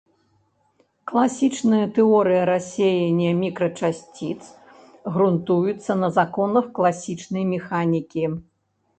Класічная тэорыя рассеяння мікрачасціц грунтуецца на законах класічнай механікі.